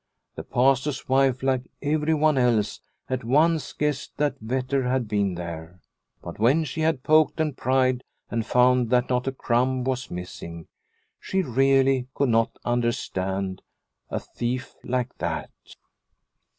The Pastor's wife, like everyone else, at once guessed that Vetter had been there. But when she had poked and pried and found that not a crumb was missing, she really could not understand a thief like that.